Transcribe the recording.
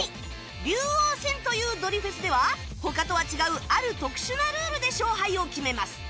龍王戦というドリフェスでは他とは違うある特殊なルールで勝敗を決めます